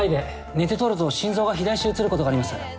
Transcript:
寝て撮ると心臓が肥大して写ることがあります。